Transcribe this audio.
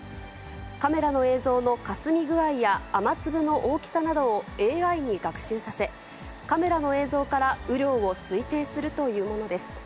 カメラの映像のかすみ具合や、雨粒の大きさなどをＡＩに学習させ、カメラの映像から雨量を推定するというものです。